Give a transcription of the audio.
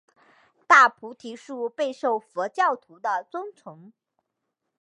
大菩提树备受佛教徒的尊崇。